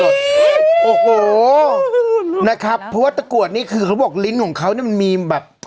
โอ้โหนะครับเพราะว่าตะกรวดนี่คือเขาบอกลิ้นของเขาเนี่ยมันมีแบบ